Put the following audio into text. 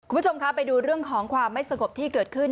คุณผู้ชมคะไปดูเรื่องของความไม่สงบที่เกิดขึ้น